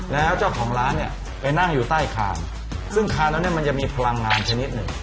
แล้วเจ้าของร้านเนี่ยไปนั่งอยู่ใต้คานซึ่งคานแล้วเนี่ยมันจะมีพลังงานชนิดหนึ่ง